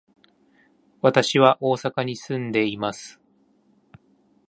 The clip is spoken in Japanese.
私は大阪に住んでいます。